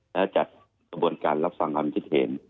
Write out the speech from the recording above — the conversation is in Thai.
และจัดกระบวนการรับฟังความคิดเห็น